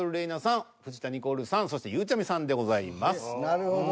なるほど。